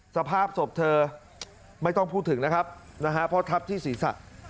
สภาพศพเธอไม่ต้องพูดถึงนะครับนะฮะเพราะทับที่ศีรษะ